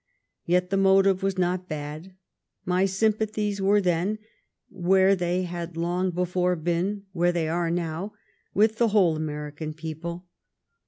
Yet the motive was not bad. My sympathies were then — where they had long before been, where they are now — with the whole American people.